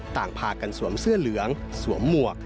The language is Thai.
ต่างพากันสวมเสื้อเหลืองสวมหมวก